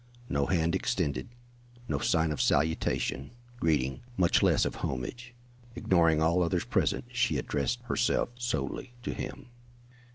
No hand extended. No sign of salutation, greeting, much less of homage. Ignoring all others present, she addressed herself solely to him.